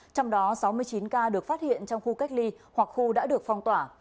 trong đó sáu mươi chín ca được phát hiện trong khu cách ly hoặc khu đã được phong tỏa